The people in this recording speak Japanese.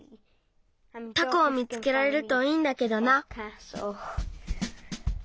タコを見つけられるといいんだけどな。